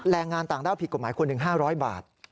แรงงานต่างด้าวผิดกฎหมายคนหนึ่ง๕๐๐บาท